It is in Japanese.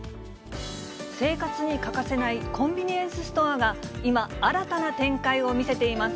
生活に欠かせないコンビニエンスストアが今、新たな展開を見せています。